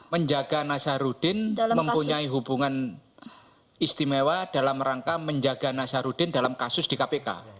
menjaga nazarudin mempunyai hubungan istimewa dalam rangka menjaga nazarudin dalam kasus di kpk